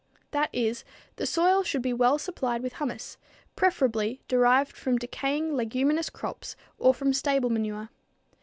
That is, the soil should be well supplied with humus, preferably derived from decaying leguminous crops or from stable manure.